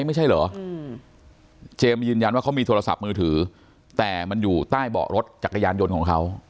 ไม่ใช่เหรอเจมส์ยืนยันว่าเขามีโทรศัพท์มือถือแต่มันอยู่ใต้เบาะรถจักรยานยนต์ของเขา